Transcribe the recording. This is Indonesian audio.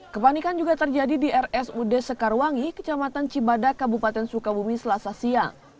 kepanikan juga terjadi di rsud sekarwangi kecamatan cibadak kabupaten sukabumi selasa siang